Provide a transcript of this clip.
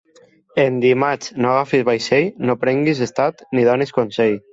En dimarts no agafis vaixell, no prenguis estat ni donis consell.